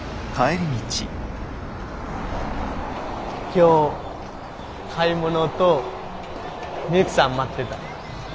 今日買い物とミユキさん待ってた。